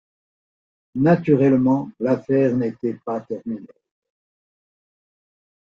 Naturellement, l´affaire n´était pas terminée.